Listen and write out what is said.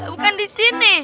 bukan di sini